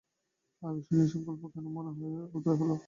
আগে শুনি, এ সংকল্প কেন মনে উদয় হইল।